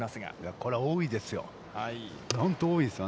これは多いですよ。